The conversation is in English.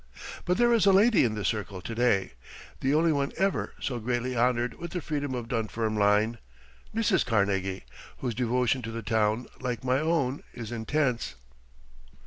But there is a lady in the circle to day, the only one ever so greatly honored with the Freedom of Dunfermline, Mrs. Carnegie, whose devotion to the town, like my own, is intense.